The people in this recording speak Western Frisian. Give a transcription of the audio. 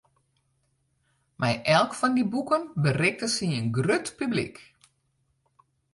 Mei elk fan dy boeken berikte sy in grut publyk.